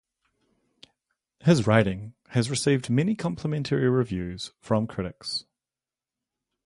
His writing has received many complimentary reviews from critics.